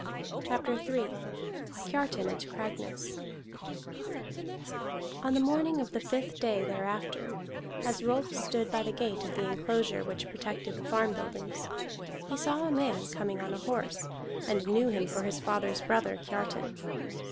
CHAPTER III KIARTAN AT CRAGNESS On the morning of the fifth day thereafter, as Rolf stood by the gate of the enclosure which protected the farm buildings, he saw a man coming on a horse, and knew him for his father's brother Kiartan.